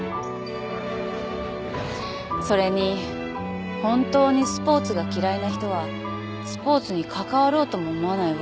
それに本当にスポーツが嫌いな人はスポーツに関わろうとも思わないわ。